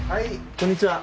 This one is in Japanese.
こんにちは。